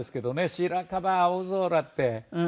「白樺青空」って。